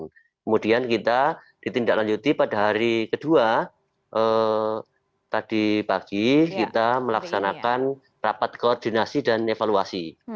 kemudian kita ditindaklanjuti pada hari kedua tadi pagi kita melaksanakan rapat koordinasi dan evaluasi